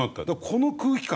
この空気感